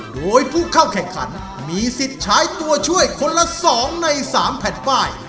โดยผู้เข้าแข่งขันมีสิทธิ์ใช้ตัวช่วยคนละ๒ใน๓แผ่นป้าย